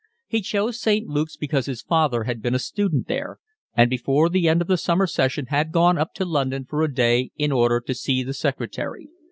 He chose St. Luke's because his father had been a student there, and before the end of the summer session had gone up to London for a day in order to see the secretary.